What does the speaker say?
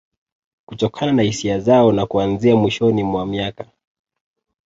Kutokana na hisia zao na kuanzia mwishoni mwa miaka